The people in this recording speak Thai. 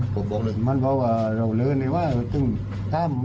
เพราะว่าพวกเรามาเถอะ